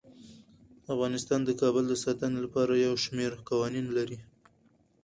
افغانستان د کابل د ساتنې لپاره یو شمیر قوانین لري.